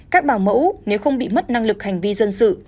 các bảo mẫu nếu không bị mất năng lực hành vi dân sự